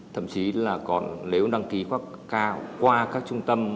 thậm chí là còn nếu đăng ký qua các trung tâm